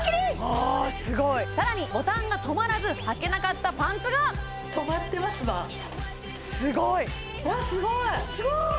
ああすごいさらにボタンが留まらずはけなかったパンツがすごいうわすごいすごい！